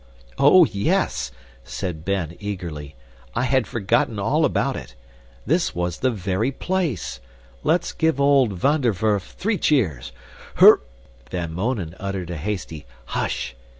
"Oh, yes," said Ben, eagerly, "I had forgotten all about it. This was the very place. Let's give old Van der Werf three cheers. Hur " Van Mounen uttered a hasty "Hush!"